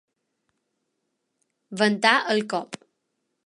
Ventar el cop.